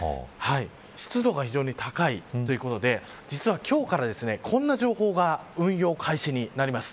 湿度が非常に高いということで実は今日からこんな情報が運用開始なります。